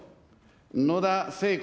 野田聖子